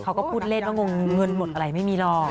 เขาก็พูดเล่นว่างงเงินหมดอะไรไม่มีหรอก